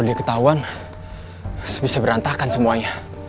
kebetulan bisa berantakan semuanya